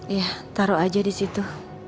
iya taruh aja di situ